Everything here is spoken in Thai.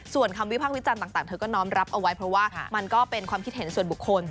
ส่วนคำวิพากษ์วิจารณ์ต่างเธอก็น้อมรับเอาไว้เพราะว่ามันก็เป็นความคิดเห็นส่วนบุคคล